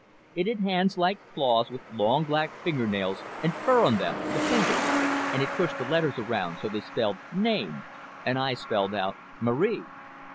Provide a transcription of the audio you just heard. It had hands like claws with long black fingernails and fur on them (the fingers) and it pushed the letters around so they spelled Name and I spelled out Marie.